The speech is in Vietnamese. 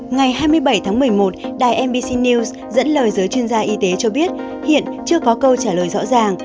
ngày hai mươi bảy tháng một mươi một đài mbc news dẫn lời giới chuyên gia y tế cho biết hiện chưa có câu trả lời rõ ràng